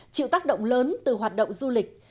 chịu tác động lớn từ hoạt động du lịch